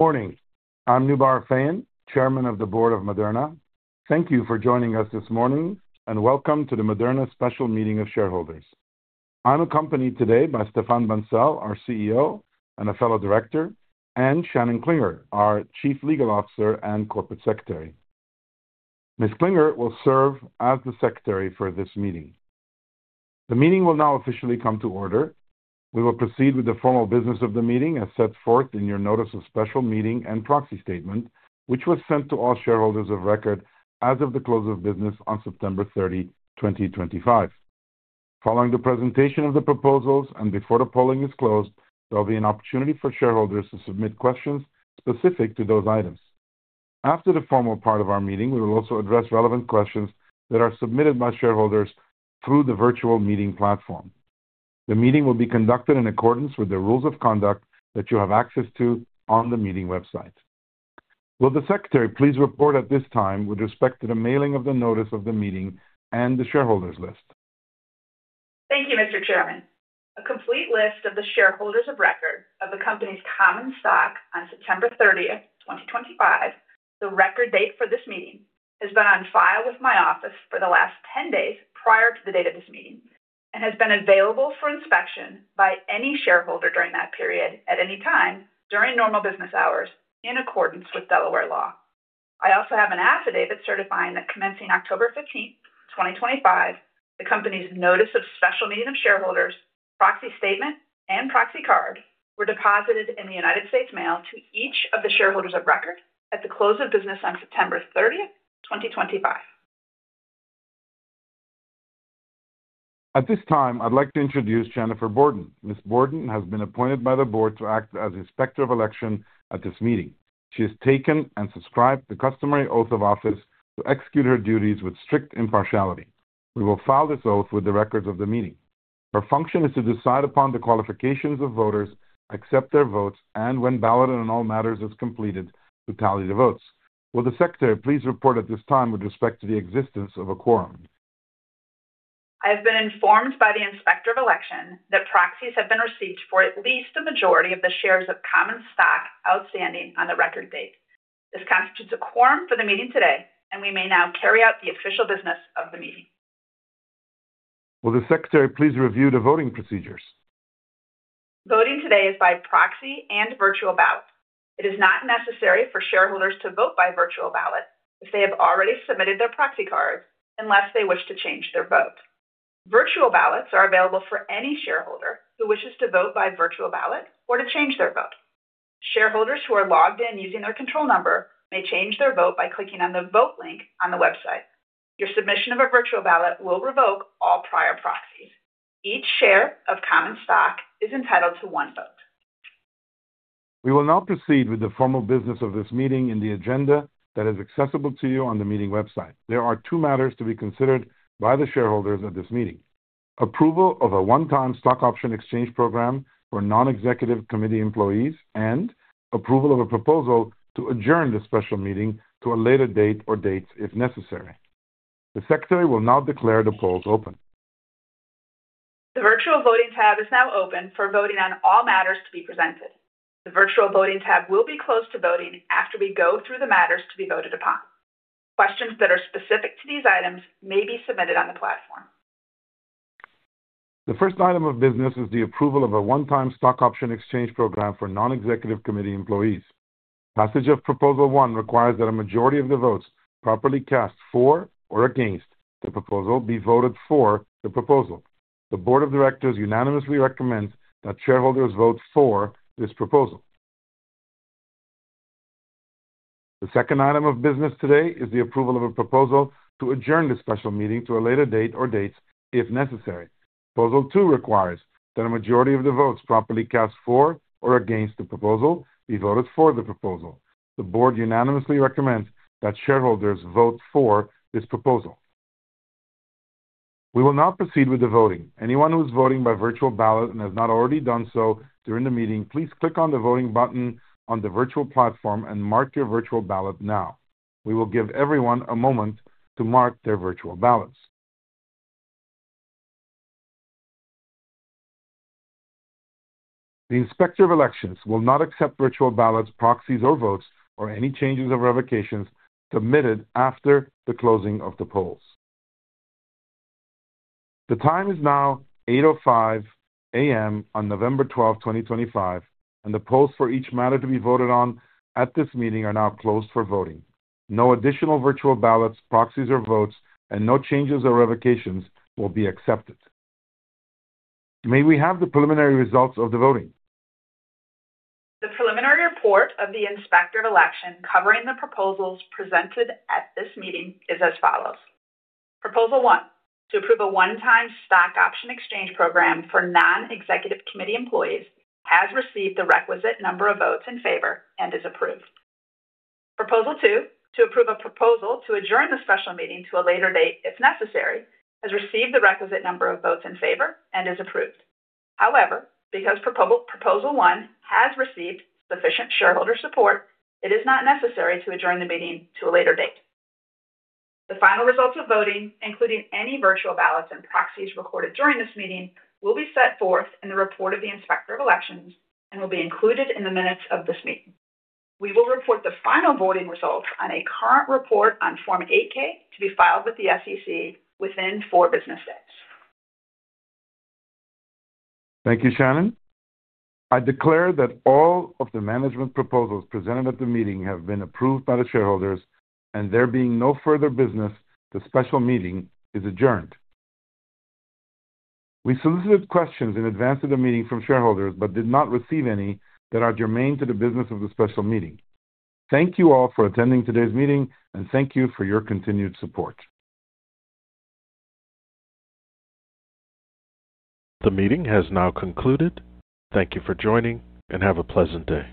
Morning. I'm Noubar Afeyan, Chairman of the Board of Moderna. Thank you for joining us this morning, and welcome to the Moderna Special Meeting of Shareholders. I'm accompanied today by Stéphane Bancel, our CEO and a fellow director, and Shannon Klinger, our Chief Legal Officer and Corporate Secretary. Ms. Klinger will serve as the Secretary for this meeting. The meeting will now officially come to order. We will proceed with the formal business of the meeting as set forth in your Notice of Special Meeting and Proxy Statement, which was sent to all shareholders of record as of the close of business on September 30, 2025. Following the presentation of the proposals and before the polling is closed, there will be an opportunity for shareholders to submit questions specific to those items. After the formal part of our meeting, we will also address relevant questions that are submitted by shareholders through the virtual meeting platform. The meeting will be conducted in accordance with the rules of conduct that you have access to on the meeting website. Will the Secretary please report at this time with respect to the mailing of the Notice of the Meeting and the shareholders' list? Thank you, Mr. Chairman. A complete list of the shareholders of record of the company's common stock on September 30, 2025, the record date for this meeting, has been on file with my office for the last 10 days prior to the date of this meeting and has been available for inspection by any shareholder during that period at any time during normal business hours in accordance with Delaware law. I also have an affidavit certifying that commencing October 15, 2025, the company's Notice of Special Meeting of Shareholders, Proxy Statement, and Proxy Card were deposited in the United States Mail to each of the shareholders of record at the close of business on September 30, 2025. At this time, I'd like to introduce Jennifer Borden. Ms. Borden has been appointed by the Board to act as Inspector of Election at this meeting. She has taken and subscribed the customary oath of office to execute her duties with strict impartiality. We will file this oath with the records of the meeting. Her function is to decide upon the qualifications of voters, accept their votes, and when ballot in all matters is completed, to tally the votes. Will the Secretary please report at this time with respect to the existence of a quorum? I have been informed by the Inspector of Election that proxies have been received for at least the majority of the shares of common stock outstanding on the record date. This constitutes a quorum for the meeting today, and we may now carry out the official business of the meeting. Will the Secretary please review the voting procedures? Voting today is by proxy and virtual ballot. It is not necessary for shareholders to vote by virtual ballot if they have already submitted their proxy cards, unless they wish to change their vote. Virtual ballots are available for any shareholder who wishes to vote by virtual ballot or to change their vote. Shareholders who are logged in using their control number may change their vote by clicking on the vote link on the website. Your submission of a virtual ballot will revoke all prior proxies. Each share of common stock is entitled to one vote. We will now proceed with the formal business of this meeting in the agenda that is accessible to you on the meeting website. There are two matters to be considered by the shareholders at this meeting: approval of a one-time stock option exchange program for non-executive employees and approval of a proposal to adjourn the special meeting to a later date or dates if necessary. The Secretary will now declare the polls open. The virtual voting tab is now open for voting on all matters to be presented. The virtual voting tab will be closed to voting after we go through the matters to be voted upon. Questions that are specific to these items may be submitted on the platform. The first item of business is the approval of a one-time stock option exchange program for non-executive committee employees. Passage of Proposal One requires that a majority of the votes properly cast for or against the proposal be voted for the proposal. The Board of Directors unanimously recommends that shareholders vote for this proposal. The second item of business today is the approval of a proposal to adjourn the special meeting to a later date or dates if necessary. Proposal Two requires that a majority of the votes properly cast for or against the proposal be voted for the proposal. The Board unanimously recommends that shareholders vote for this proposal. We will now proceed with the voting. Anyone who is voting by virtual ballot and has not already done so during the meeting, please click on the voting button on the virtual platform and mark your virtual ballot now. We will give everyone a moment to mark their virtual ballots. The Inspector of Election will not accept virtual ballots, proxies, or votes or any changes or revocations submitted after the closing of the polls. The time is now 8:05 A.M. on November 12, 2025, and the polls for each matter to be voted on at this meeting are now closed for voting. No additional virtual ballots, proxies, or votes, and no changes or revocations will be accepted. May we have the preliminary results of the voting? The preliminary report of the Inspector of Election covering the proposals presented at this meeting is as follows. Proposal One: to approve a one-time stock option exchange program for non-executive employees has received the requisite number of votes in favor and is approved. Proposal Two: to approve a proposal to adjourn the special meeting to a later date if necessary has received the requisite number of votes in favor and is approved. However, because Proposal One has received sufficient shareholder support, it is not necessary to adjourn the meeting to a later date. The final results of voting, including any virtual ballots and proxies recorded during this meeting, will be set forth in the report of the Inspector of Election and will be included in the minutes of this meeting. We will report the final voting results on a current report on Form 8-K to be filed with the SEC within four business days. Thank you, Shannon. I declare that all of the management proposals presented at the meeting have been approved by the shareholders, and there being no further business, the special meeting is adjourned. We solicited questions in advance of the meeting from shareholders but did not receive any that are germane to the business of the special meeting. Thank you all for attending today's meeting, and thank you for your continued support. The meeting has now concluded. Thank you for joining, and have a pleasant day.